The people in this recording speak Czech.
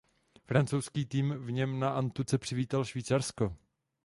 Francouzský tým v něm na antuce přivítal Švýcarsko.